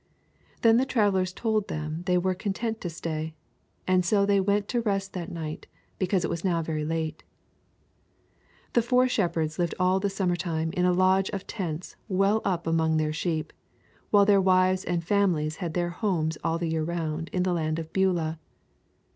Then the travellers told them they were content to stay; and so they went to rest that night because it was now very late. The four shepherds lived all summer time in a lodge of tents well up among their sheep, while their wives and families had their homes all the year round in the land of Beulah.